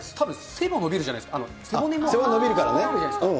背骨も伸びるじゃないですか。